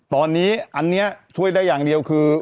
ตอนนี้อันนี้ช่วยได้อย่างเดียวคือ